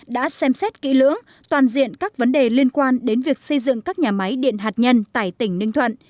đã xem xét kỹ lưỡng toàn diện các vấn đề liên quan đến việc xây dựng các nhà máy điện hạt nhân tại tỉnh ninh thuận